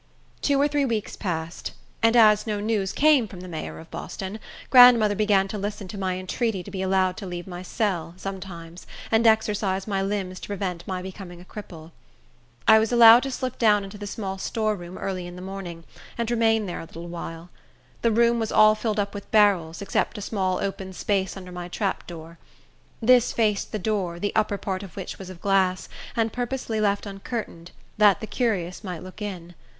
Two or three weeks passed, and as no news came from the mayor of Boston, grandmother began to listen to my entreaty to be allowed to leave my cell, sometimes, and exercise my limbs to prevent my becoming a cripple. I was allowed to slip down into the small storeroom, early in the morning, and remain there a little while. The room was all filled up with barrels, except a small open space under my trap door. This faced the door, the upper part of which was of glass, and purposely left uncurtained, that the curious might look in.